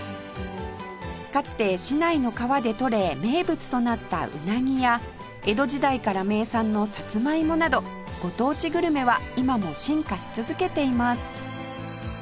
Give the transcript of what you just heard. かつて市内の川でとれ名物となった鰻や江戸時代から名産のさつまいもなどご当地グルメは今も進化し続けています